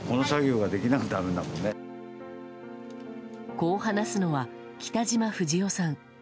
こう話すのは北島富士男さん。